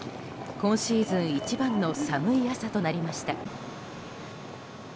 今シーズン一番の寒い朝となりました。